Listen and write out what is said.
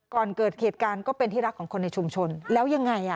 ก่อนเกิดเหตุการณ์ก็เป็นที่รักของคนในชุมชนแล้วยังไงอ่ะ